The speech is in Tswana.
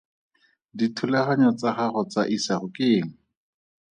Dithulaganyo tsa gago tsa isago ke eng?